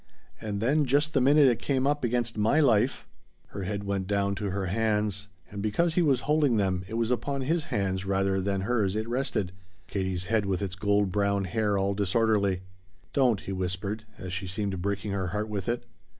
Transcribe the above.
And then just the minute it came up against my life " Her head went down to her hands, and because he was holding them it was upon his hands rather than hers it rested, Katie's head with its gold brown hair all disorderly. "Don't," he whispered, as she seemed breaking her heart with it.